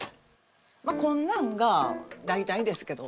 まあこんなんが大体ですけど。